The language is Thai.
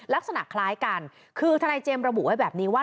ลักษณะคล้ายกันคือทนายเจมส์ระบุไว้แบบนี้ว่า